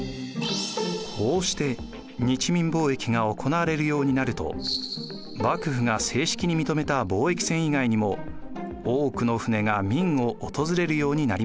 こうして日明貿易が行われるようになると幕府が正式に認めた貿易船以外にも多くの船が明を訪れるようになりました。